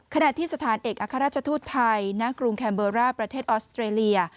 ขณะที่สถานเอกอัครราชทูตไทยณกรุงแคมเบอร์ร่าประเทศออสเตรเลีย